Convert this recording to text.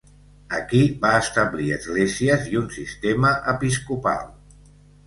Aquí va establir esglésies i un sistema episcopal.